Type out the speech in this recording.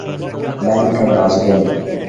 لانیکەم ڕاستگۆن.